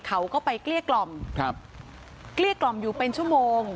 เขาก็ไปเกลี้ยกล่อมครับเกลี้ยกล่อมอยู่เป็นชั่วโมง